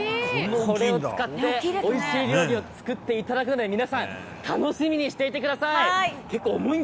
これを使っておいしい料理を作っていただくんで、皆さん、楽しみにしていてください。